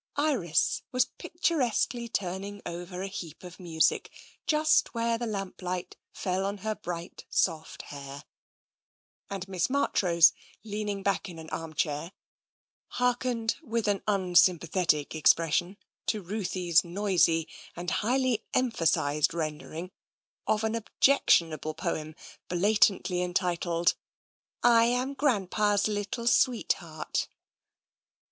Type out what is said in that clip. Iris was pictur esquely turning over a heap of music just where the lamplight fell on her bright, soft hair, and Miss March rose, leaning back in an armchair, hearkened with an unsympathetic expression to Ruthie's noisy and highly emphasised rendering of an objectionable poem bla tantly entitled *' I am Grandpa's Little Sweetheart."